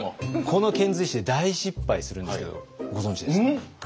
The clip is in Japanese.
この遣隋使で大失敗するんですけどご存じですかね？